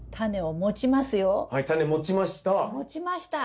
持ちました。